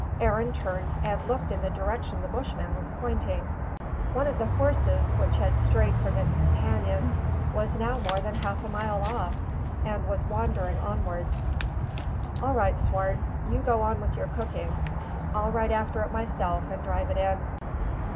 Arend turned and looked in the direction the Bushman was pointing. One of the horses, which had strayed from its companions, was now more than half a mile off, and was wandering onwards. "All right, Swart. You go on with your cooking. I'll ride after it myself, and drive it in."